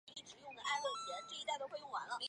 新尖额蟹属为膜壳蟹科新尖额蟹属的动物。